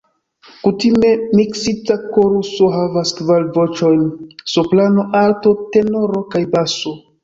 Kutime miksita koruso havas kvar voĉojn: Soprano, Alto, Tenoro kaj Baso.